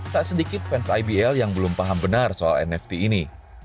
tak sedikit fans ibl yang belum paham benar soal nft ini